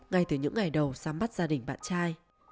ngay từ những ngày đầu giám bắt gia đình bạn trai